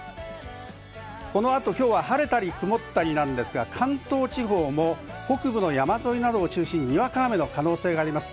このあと、きょうは晴れたり曇ったりなんですが関東地方も北部の山沿いなどを中心に、にわか雨の可能性があります。